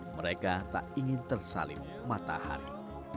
mereka tak ingin tersalim matahari